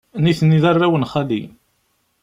Nitni d arraw n xali.